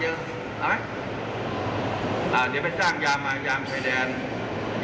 ยามคือที่ทั้งหมด๘๘ลงภาคสร้างยามทั้งหมดเลย